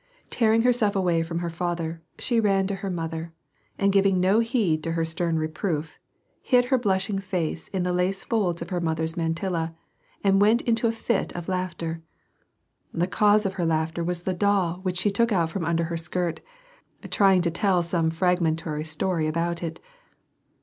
Tearing herself away from her father, she mn to her mother, and giving no heed to her stern reproof, hid her blushing face in the lace folds of her mother's mantilla, and went into a fit . of laughter. The cause of her laughter was the doll, which she took out from under her skirt, trying to tell some frag mentary story about it.